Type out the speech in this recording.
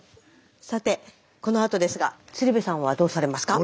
さてこのあとですが鶴瓶さんはどうされますか？